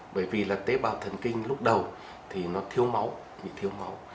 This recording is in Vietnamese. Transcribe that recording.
bởi vì là tế bào thần kinh lúc đầu thì nó thiếu máu bị thiếu máu